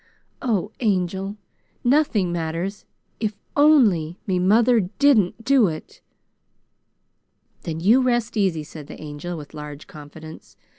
Oh, Angel! Nothing matters, IF ONLY ME MOTHER DIDN'T DO IT!" "Then you rest easy," said the Angel, with large confidence.